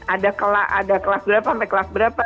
ada kelas berapa sampai kelas berapa